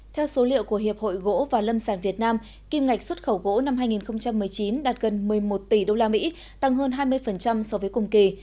theo số liệu của hiệp hội gỗ và lâm sản việt nam kim ngạch xuất khẩu gỗ năm hai nghìn một mươi chín đạt gần một mươi một tỷ usd tăng hơn hai mươi so với cùng kỳ